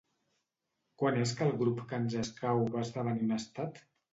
Quan és que el grup que ens escau va esdevenir un estat?